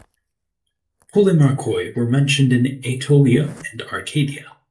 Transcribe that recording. Polemarchoi were mentioned in Aetolia and Arcadia.